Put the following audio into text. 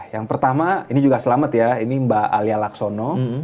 yang pertama ini juga selamat ya ini mbak alia laksono